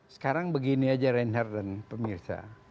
sekarang begini aja reinhardt dan pemirsa